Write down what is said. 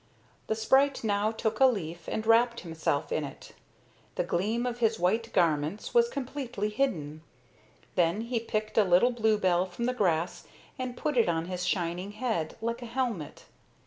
The sprite now took a leaf and wrapped himself in it; the gleam of his white garments was completely hidden. Then he picked a little bluebell from the grass and put it on his shining head like a helmet.